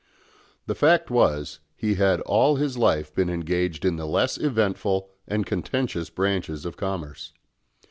The fact was, he had all his life been engaged in the less eventful and contentious branches of commerce.